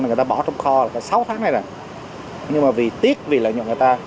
người ta bỏ trong kho là cả sáu tháng nay rồi nhưng mà vì tiếc vì lợi nhuận người ta